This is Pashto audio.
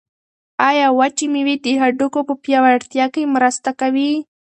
آیا وچې مېوې د هډوکو په پیاوړتیا کې مرسته کوي؟